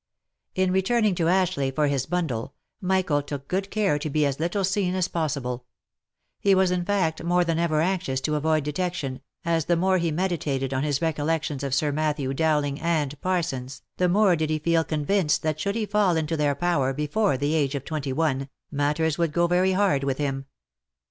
In returning to Ashleigh for his bundle, Michael took good care to be as little seen as possible ; he was in fact more than ever anxious to avoid detection, as the more he meditated on his recollections of Sir Matthew Dowling and Parsons, the more did he feel convinced that should he fall into their power before the age of twenty one, matters would go very hard with him.